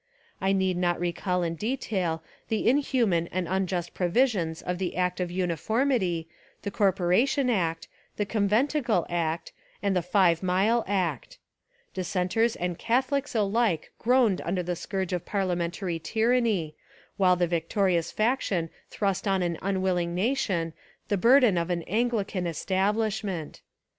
I need not recall in detail the inhuman and unjust provisions of 297 Essays and Literary Studies the Act of Uniformity, the Corporation Act, the Conventicle Act, and the Five Mile Act. Dissenters and Catholics alike groaned under the scourge of parliamentary tyranny, while the victorious faction thrust on an unwilling nation the burden of an Anglican establish ment.